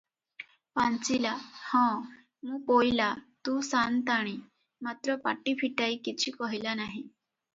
ପାଞ୍ଚିଲା, ହଁ, ମୁଁ ପୋଇଲା, ତୁ ସାଆନ୍ତାଣୀ; ମାତ୍ର ପାଟି ଫିଟାଇ କିଛି କହିଲା ନାହିଁ ।